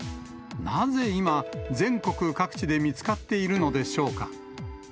なぜ今、全国各地で見つかっているのでしょうか。